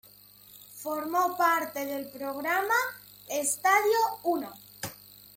Formó parte del programa "Estadio Uno".